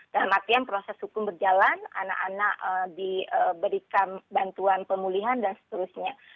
dalam artian proses hukum berjalan anak anak diberikan bantuan pemulihan dan seterusnya